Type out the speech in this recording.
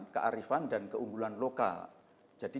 kearifan dan keunggulan lokal jadi